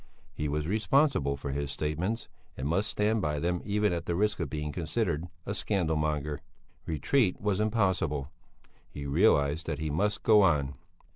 He was responsible for his statements and must stand by them even at the risk of being considered a scandal monger. Retreat was impossible; he realized that he must go on.